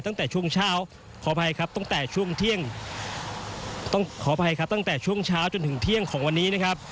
ตั้งแต่ช่วงเช้าจนถึงเที่ยงของวันนี้นะครับ